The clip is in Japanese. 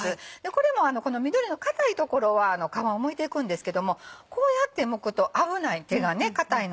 これもこの緑の硬い所は皮をむいていくんですけどもこうやってむくと危ない手がね硬いのでね。